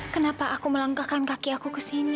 kenapa aku melanggakkan kaki aku kesini